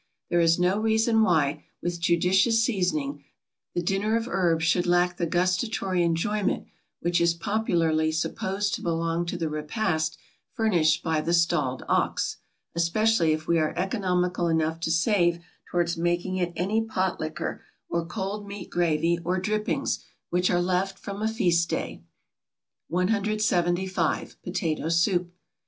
There is no reason why, with judicious seasoning, the "dinner of herbs" should lack the gustatory enjoyment which is popularly supposed to belong to the repast furnished by the "stalled ox;" especially if we are economical enough to save towards making it any pot liquor, or cold meat gravy or drippings, which are left from a feast day. 175. =Potato Soup.